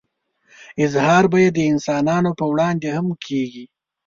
اظهار به يې د انسانانو په وړاندې هم کېږي.